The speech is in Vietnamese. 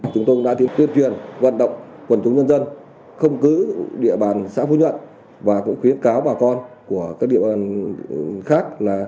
chúng tôi đã tuyên truyền vận động quần chúng nhân dân không cứ địa bàn xã phú nhuận và cũng khuyến cáo bà con của các địa bàn khác